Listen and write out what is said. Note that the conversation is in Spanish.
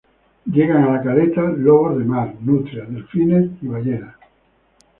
Llegan a la caleta lobos de mar, nutrias, delfines y ballenas.